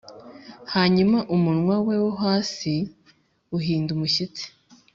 hanyuma umunwa we wo hasi uhinda umushyitsi